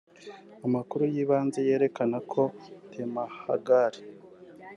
Amakuru y’ibanze yerekana ko Temahagari